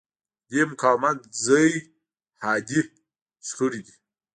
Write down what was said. د دې مقاومت ځای حادې شخړې دي.